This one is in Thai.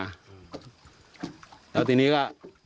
แล้วสำหรับนี่ก็